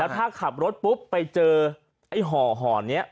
ถ้าขับรถปุ๊บไปเจอไอ้ห่อนี้